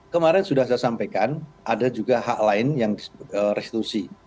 kemarin sudah saya sampaikan ada juga hak lain yang restitusi